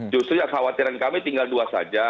justru yang khawatiran kami tinggal dua saja